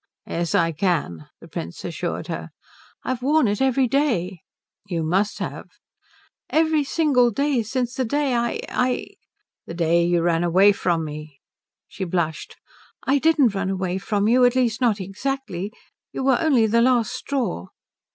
"Yes I can," the Prince assured her. "I've worn it every day." "You must have." "Every single day since the day I I " "The day you ran away from me." She blushed. "I didn't run away from you. At least, not exactly. You were only the last straw."